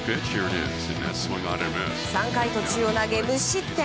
３回途中を投げ、無失点。